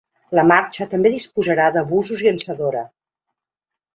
La marxa també disposarà de busos llançadora.